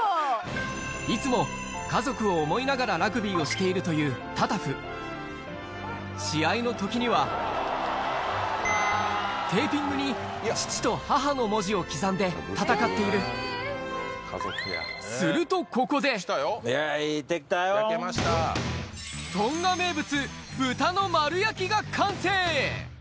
いつも家族を思いながらラグビーをしているというタタフ試合の時にはテーピングに父と母の文字を刻んで戦っているここでトンガ名物が完成！